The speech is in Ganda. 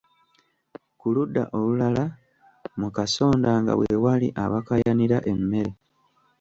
Ku ludda olulala, mu kasonda, nga we wali abakaayanira emmere!